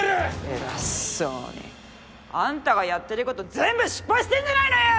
偉そうにあんたがやってること全部失敗してんじゃないのよ！！